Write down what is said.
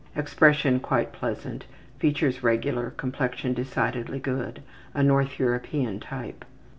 Expression quite pleasant; features regular; complexion decidedly good. A North European type.